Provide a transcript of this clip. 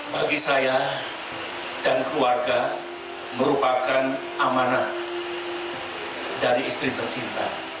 bagi saya dan keluarga merupakan amanah dari istri tercinta